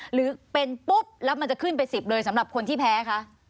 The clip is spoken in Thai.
หรือเป็นปุ๊บแล้วมันจะขึ้นไป๑๐เลยสำหรับคนที่แพ้คะ